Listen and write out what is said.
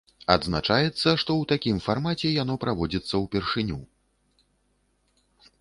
Адзначаецца, што ў такім фармаце яно праводзіцца ўпершыню.